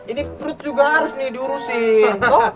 ini perut juga harus nih diurusin